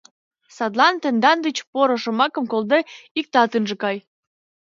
Садлан тендан деч, поро шомакым колде, иктат ынже кай.